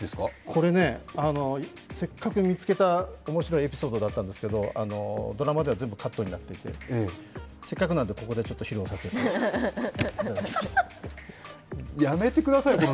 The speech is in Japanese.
これ、せっかく見つけた面白いエピソードだったんですけどドラマでは全部カットになっていて、せっかくなんで、ここでちょっと披露させていただいて。